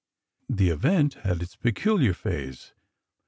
The event had its peculiar phase.